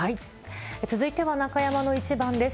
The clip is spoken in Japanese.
続いては中山のイチバンです。